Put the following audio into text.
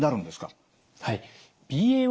はい。